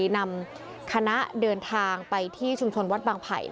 นำคณะเดินทางไปที่ชุมชนวัดบางไผ่